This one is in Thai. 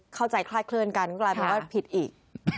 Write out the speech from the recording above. เข้าใจคลาดเคลื่อนกันก็กลายเป็นว่าผิดอีก